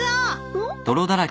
うん？